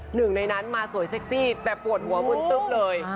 หนึ่งในนั้นมาสวยเซ็กซี่แต่ปวดหัวมึนตึ๊บเลย